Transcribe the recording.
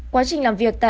quá trình làm việc tại